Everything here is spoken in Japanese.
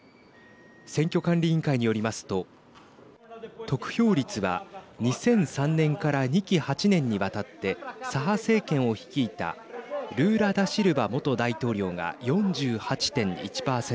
選挙管理委員会によりますと得票率は２００３年から２期８年にわたって左派政権を率いたルーラ・ダシルバ元大統領が４８．１％。